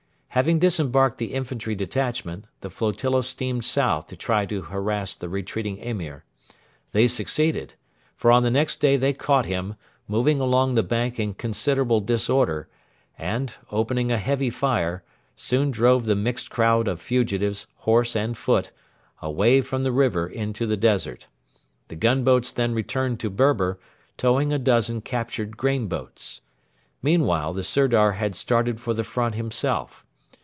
Having disembarked the infantry detachment, the flotilla steamed south to try to harass the retreating Emir. They succeeded; for on the next day they caught him, moving along the bank in considerable disorder, and, opening a heavy fire, soon drove the mixed crowd of fugitives, horse and foot, away from the river into the desert. The gunboats then returned to Berber, towing a dozen captured grain boats. Meanwhile the Sirdar had started for the front himself.